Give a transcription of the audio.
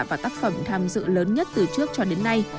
và tác phẩm tham dự lớn nhất từ trước cho đến nay